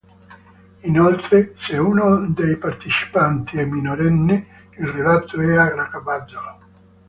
Inoltre, se uno dei partecipanti è minorenne, il reato è aggravato.